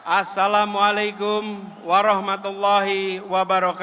assalamualaikum warahmatullahi wabarakatuh